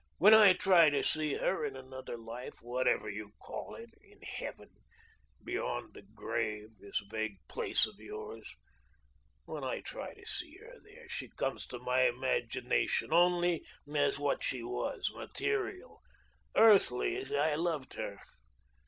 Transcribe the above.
When I try to see her in another life whatever you call it in Heaven beyond the grave this vague place of yours; when I try to see her there, she comes to my imagination only as what she was, material, earthly, as I loved her.